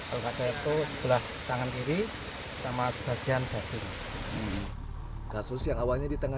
alokasi itu sebelah tangan kiri sama sebagian batin kasus yang awalnya ditengah